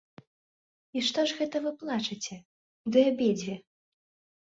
І што ж гэта вы плачаце, ды абедзве?